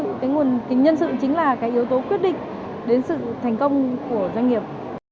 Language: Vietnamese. cái nguồn nhân sự chính là cái yếu tố quyết định đến sự thành công của doanh nghiệp